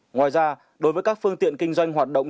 ngoài ra đối với các phương tiện kinh doanh hoạt động